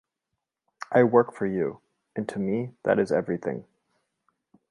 I work for you. And to me, that is everything.